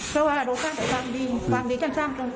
เพราะว่าเรากล้าแต่ฟังดีฟังดีฉันสร้างตัว